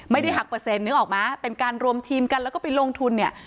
ไม่ได้หักเปอร์เซ็นนึกออกไหมเป็นการรวมทีมกันแล้วก็ไปลงทุนเนี่ย